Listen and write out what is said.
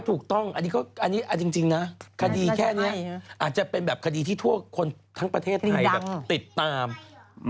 ถูกต้องอันนี้เอาจริงนะคดีแค่นี้อาจจะเป็นแบบคดีที่ทั่วคนทั้งประเทศไทยแบบติดตาม